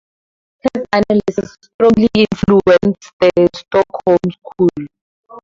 His analysis strongly influenced the Stockholm school.